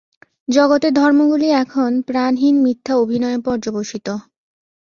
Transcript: জগতের ধর্মগুলি এখন প্রাণহীন মিথ্যা অভিনয়ে পর্যবসিত।